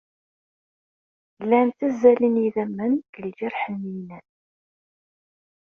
Llan ttazzalen yidammen deg lǧerḥ-nni-ines.